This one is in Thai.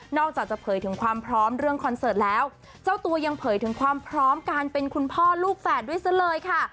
อกจากจะเผยถึงความพร้อมเรื่องคอนเสิร์ตแล้วเจ้าตัวยังเผยถึงความพร้อมการเป็นคุณพ่อลูกแฝดด้วยซะเลยค่ะ